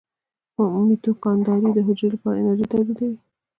مایتوکاندري د حجرې لپاره انرژي تولیدوي